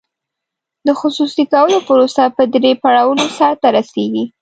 د خصوصي کولو پروسه په درې پړاوونو سر ته رسیږي.